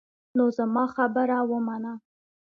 نو زما خبره ومنه.